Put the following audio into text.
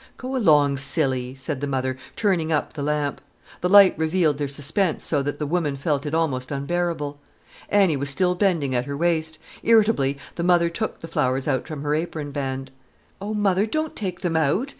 "Go along, silly!" said the mother, turning up the lamp. The light revealed their suspense so that the woman felt it almost unbearable. Annie was still bending at her waist. Irritably, the mother took the flowers out from her apron band. "Oh, mother—don't take them out!"